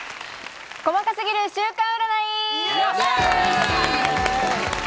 細かすぎる週間占い！